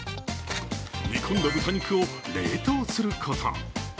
煮込んだ豚肉を冷凍すること。